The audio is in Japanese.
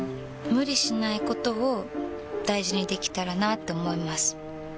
無理しないことを大事にできたらなって思います。